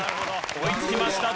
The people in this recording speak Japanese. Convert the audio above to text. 追いつきました。